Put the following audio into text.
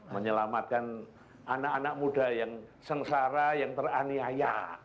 menyelamatkan anak anak muda yang sengsara yang teraniaya